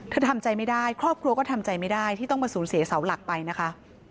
ทำใจไม่ได้ครอบครัวก็ทำใจไม่ได้ที่ต้องมาสูญเสียเสาหลักไปนะคะ